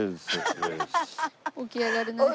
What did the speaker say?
起き上がれない。